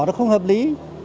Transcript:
nó không hợp lý